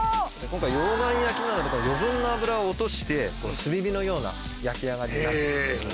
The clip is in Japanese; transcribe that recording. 今回溶岩焼きなので余分な脂を落として炭火のような焼き上がり。